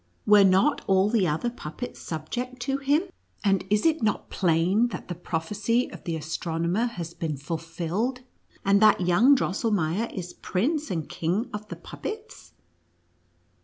u Were not all the other puppets subject to him, and is it not plain that the prophecy of the astronomer has been fulfilled, and that young Drosselmeier is prince and khig of the puppets